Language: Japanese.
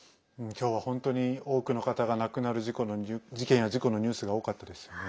今日は本当に多くの方が亡くなる事件や事故のニュースが多かったですよね。